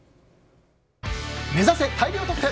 目指せ大量得点！